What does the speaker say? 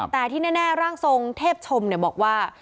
แต่ที่แน่ร่างทรงเทพชมบอกว่า